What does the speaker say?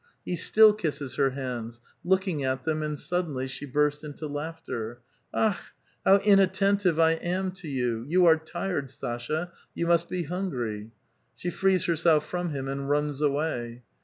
He still kisses her hands, looking at them, and suddenly she burst into laughter. " 4t/i/ how inattentive I am to you. You are tired, Sasha ; you must be hungry." She frees herself from him, and runs away.